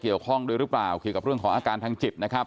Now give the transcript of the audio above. เกี่ยวข้องด้วยหรือเปล่าเกี่ยวกับเรื่องของอาการทางจิตนะครับ